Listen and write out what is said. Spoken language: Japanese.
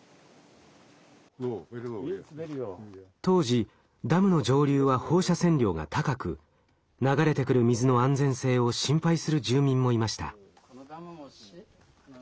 当時ダムの上流は放射線量が高く流れてくる水の安全性を心配する住民もいました。